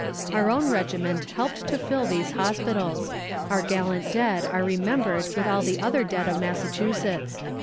"Our own regiment helped to fill these hospitals. Our gallant dead are remembered with all the other dead of Massachusetts.